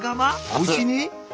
おうちに？